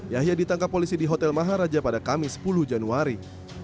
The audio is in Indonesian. yahya ditangkap polisi di hotel maharaja pada kamis sepuluh januari